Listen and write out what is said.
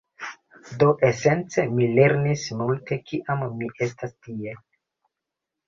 Do, esence, mi lernis multe kiam mi estas tie